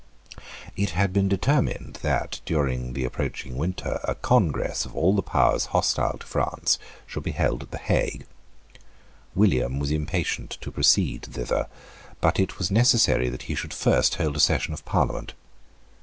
It had been determined that, during the approaching winter a Congress of all the powers hostile to France should be held at the Hague. William was impatient to proceed thither. But it was necessary that he should first hold a Session of Parliament.